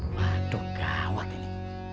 waduh gawat ini